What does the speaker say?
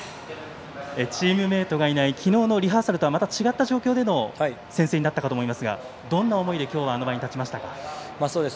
チームメートがいない昨日のリハーサルとはまた違った状況での宣誓になりましたがどんな思いであの場に立ちましたか。